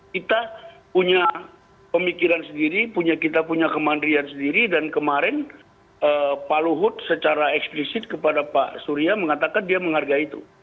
kita punya pemikiran sendiri kita punya kemandirian sendiri dan kemarin pak luhut secara eksplisit kepada pak surya mengatakan dia menghargai itu